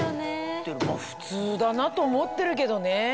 普通だなと思ってるけどね。